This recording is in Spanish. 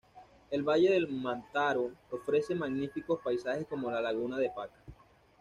El valle del Mantaro ofrece magníficos paisajes como la laguna de Paca.